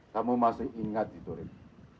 kamu masih ingat itu ini